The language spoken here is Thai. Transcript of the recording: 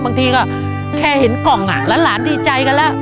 บางทีก็แค่เห็นกล่องหลานดีใจกันแล้ว